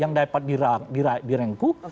yang dapat direngku